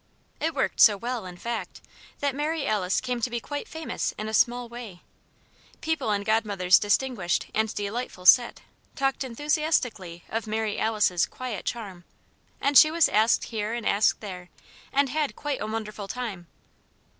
It worked so well, in fact, that Mary Alice came to be quite famous in a small way. People in Godmother's distinguished and delightful "set" talked enthusiastically of Mary Alice's quiet charm, and she was asked here and asked there, and had a quite wonderful time.